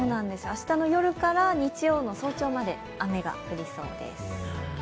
明日の夜から日曜の早朝まで、雨が降りそうです。